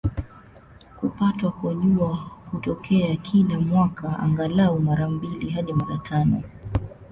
Kupatwa kwa Jua hutokea kila mwaka, angalau mara mbili hadi mara tano.